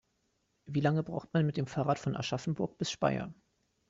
Wie lange braucht man mit dem Fahrrad von Aschaffenburg bis Speyer?